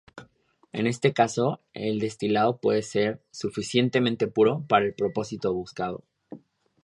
En este caso, el destilado puede ser suficientemente puro para el propósito buscado.